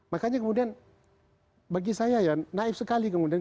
makanya kemudian bagi saya ya naif sekali kemudian